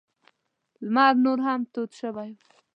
لمر نور هم تود شوی و.